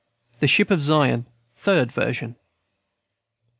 THE SHIP OF ZION. _(Third version.)